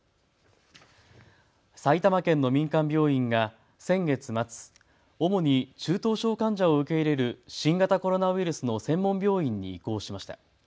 埼玉県の民間病院が先月末、主に中等症患者を受け入れる新型コロナウイルスの専門病院に移行しました。